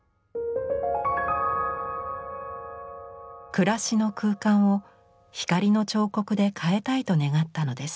暮らしの空間を光の彫刻で変えたいと願ったのです。